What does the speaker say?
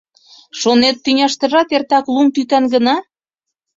Шонет, тӱняштыжат эртак лум тӱтан гына.